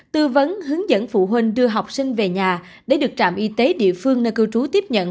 tư vấn hướng dẫn phụ huynh đưa học sinh về nhà để được trạm y tế địa phương nơi cư trú tiếp nhận